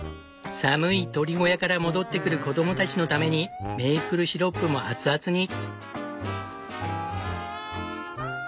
寒い鶏小屋から戻ってくる子供たちのためにメープルシロップも熱々に。